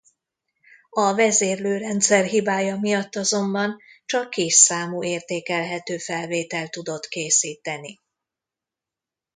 A vezérlőrendszer hibája miatt azonban csak kis számú értékelhető felvételt tudott készíteni.